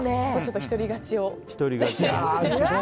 一人勝ちを。